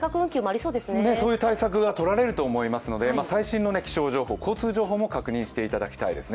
そういう対策がとられると思いますので最新の気象情報、交通情報も確認していただきたいですね。